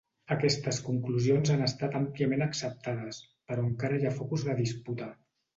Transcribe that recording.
Aquestes conclusions han estat àmpliament acceptades, però encara hi ha focus de disputa.